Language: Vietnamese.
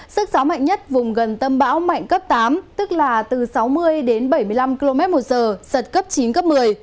sức giáo mạnh nhất vùng gần tâm báo mạnh cấp tám tức là từ sáu mươi đến bảy mươi năm km một giờ sật cấp chín cấp một mươi